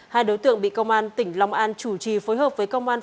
hai đối tượng bị công an tỉnh long an chủ trì phối hợp với công an